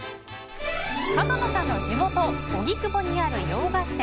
角野さんの地元・荻窪にある洋菓子店